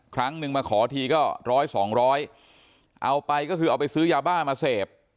ครั้งนึงมาขอทีก็ร้อยสองร้อยเอาไปก็คือเอาไปซื้อยาบ้ามาเสพ